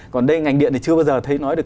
còn đây ngành điện thì chưa bao giờ thấy nói được